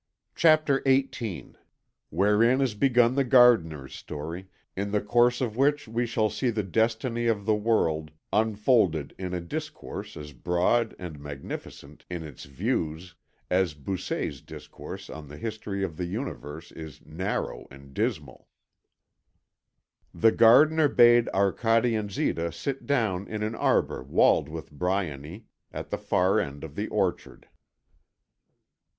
CHAPTER XVIII WHEREIN IS BEGUN THE GARDENER'S STORY, IN THE COURSE OF WHICH WE SHALL SEE THE DESTINY OF THE WORLD UNFOLDED IN A DISCOURSE AS BROAD AND MAGNIFICENT IN ITS VIEWS AS BOSSUET'S DISCOURSE ON THE HISTORY OF THE UNIVERSE IS NARROW AND DISMAL The gardener bade Arcade and Zita sit down in an arbour walled with wild bryony, at the far end of the orchard.